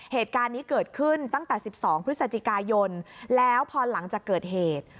เหตุการณ์นี้เกิดขึ้นตั้งแต่๑๒พฤศจิกายนแล้วพอหลังจากเกิดเหตุ